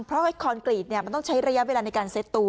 เพราะคอนกรีตมันต้องใช้ระยะเวลาในการเซ็ตตัว